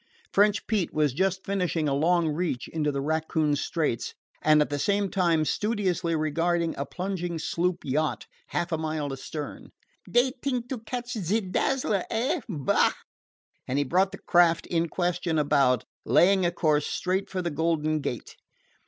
French Pete was just finishing a long reach into the Raccoon Straits, and at the same time studiously regarding a plunging sloop yacht half a mile astern. "Dey t'ink to catch ze Dazzler, eh? Bah!" And he brought the craft in question about, laying a course straight for the Golden Gate.